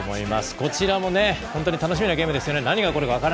こちらもね、本当に楽しみなゲームですよね。